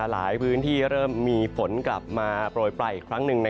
หลายพื้นที่เริ่มมีฝนกลับมาโปรยปลายอีกครั้งหนึ่ง